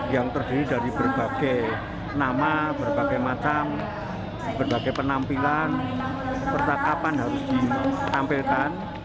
yang terdiri dari berbagai nama berbagai macam berbagai penampilan percakapan harus ditampilkan